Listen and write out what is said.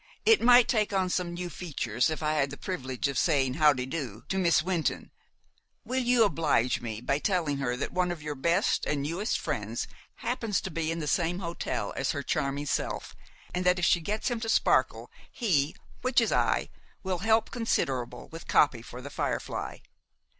It might take on some new features if I had the privilege of saying 'How de do' to Miss Wynton. Will you oblige me by telling her that one of your best and newest friends happens to be in the same hotel as her charming self, and that if she gets him to sparkle, he (which is I) will help considerable with copy for 'The Firefly.'